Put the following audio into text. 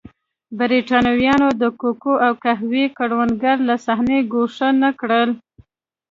برېټانویانو د کوکو او قهوې کروندګر له صحنې ګوښه نه کړل.